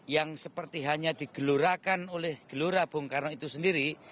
yang seperti hanya digelurakan oleh gelora bung karno itu sendiri